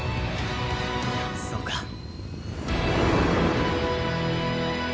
そうか。